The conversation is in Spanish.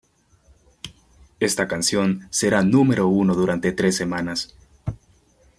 Esta canción será número uno durante tres semanas.